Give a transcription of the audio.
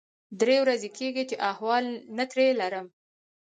درې ورځې کېږي چې احوال نه ترې لرم.